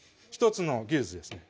１つの技術ですね